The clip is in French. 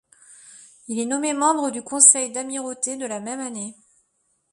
Il est nommé membre du Conseil d'Amirauté la même année.